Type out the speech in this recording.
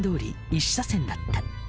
１車線だった。